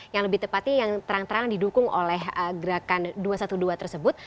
yang lebih tepatnya yang terang terang didukung oleh gerakan dua ratus dua belas tersebut